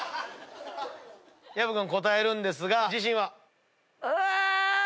薮君が答えるんですが自信は？